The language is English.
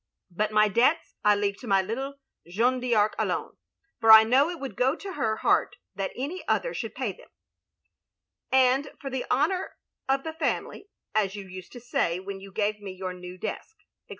But my debts I leave to my little Jeanne d'Arc alone, for I know it would go to her heart that any other should pay them: and for the honour of the family, as you used to say when you gave me your new desk, etc.